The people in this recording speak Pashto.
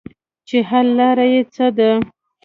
چې حل لاره ئې څۀ ده -